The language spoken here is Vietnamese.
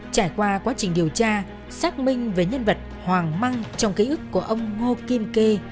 trải qua quá trình điều tra xác minh về nhân vật hoàng măng trong ký ức của ông ngô kim kê